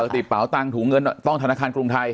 ปกติเปล่าตังค์ถูงเงินต้องธนาคารกรุงไทย